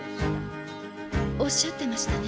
おっしゃってましたね。